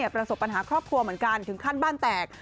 ประสบปัญหาครอบครัวเหมือนกันถึงขั้นบ้านแตก